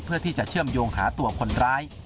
เพื่อที่จะเชื่อมโยงหาตัวคนร้าย